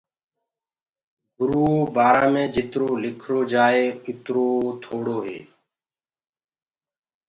گُرو بآرآ مي جِترو لِکرو جآئي اُترو گھٽ هي۔